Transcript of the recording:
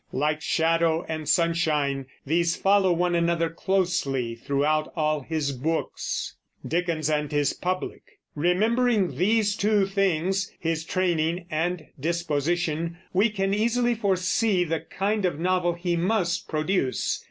Like shadow and sunshine these follow one another closely throughout all his books. Remembering these two things, his training and disposition, we can easily foresee the kind of novel he must produce.